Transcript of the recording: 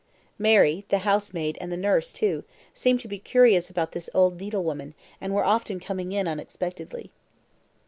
Mary, the housemaid, and the nurse, too, seemed to be curious about this old needlewoman, and were often coming in unexpectedly.